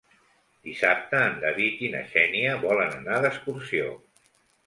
Dissabte en David i na Xènia volen anar d'excursió.